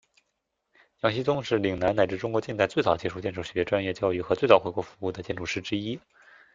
杨锡宗是岭南乃至中国近代最早接受建筑学专业教育和最早回国服务的建筑师之一。